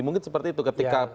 mungkin seperti itu ketika